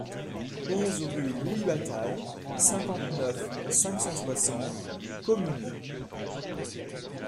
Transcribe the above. onze rue Louis Bataille, cinquante-neuf, cinq cent soixante, Comines